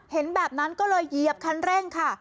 เห็นแบบนั้นก็เลยเหยียบคันเร่งค่ะ